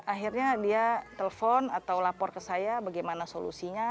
akhirnya dia telpon atau lapor ke saya bagaimana solusinya